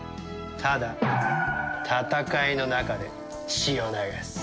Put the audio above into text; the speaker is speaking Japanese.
ただ戦いの中で血を流す。